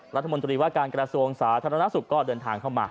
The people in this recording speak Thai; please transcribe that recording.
รัฐมนตรีว่าการกระทรวงสาธารณสุขก็เดินทางเข้ามา